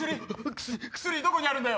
どこにあるんだよ？